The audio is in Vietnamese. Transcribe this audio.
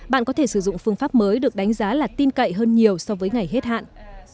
bạn có thể sử dụng phương pháp mới được đánh giá là tin cậy hơn nhiều so với ngày hết hạn